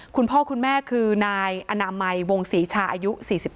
คุณพ่อคุณแม่คือนายอนามัยวงศรีชาอายุ๔๙